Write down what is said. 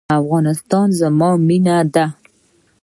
افغانستان زما مینه ده